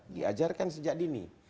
diajarkan sejak dini